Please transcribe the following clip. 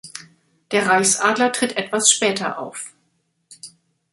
Der Reichsadler tritt etwas später auf.